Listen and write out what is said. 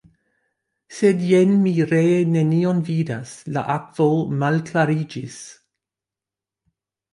Sed, jen, mi ree nenion vidas, la akvo malklariĝis!